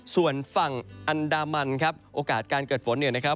ส่วนฝั่งอันดามันครับโอกาสการเกิดฝนเนี่ยนะครับ